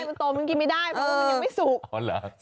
มันโตมันกินไม่ได้เพราะว่ามันยังไม่สุก